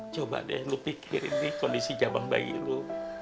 coba deh lo pikirin nih kondisi jabang bayi lo